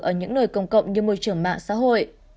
ở những nơi công cộng như môi trường mạng xã hội